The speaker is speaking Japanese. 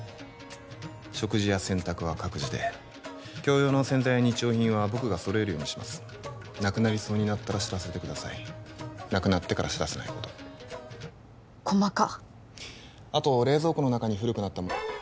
食事や洗濯は各自で共用の洗剤や日用品は僕が揃えるようにしますなくなりそうになったら知らせてくださいなくなってから知らせないこと細か